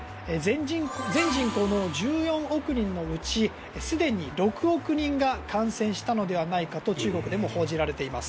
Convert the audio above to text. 全人口の１４億人のうちすでに６億人が感染したのではないかと中国でも報じられています。